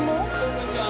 こんにちは。